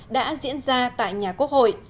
đã diễn ra tại nhà quốc hội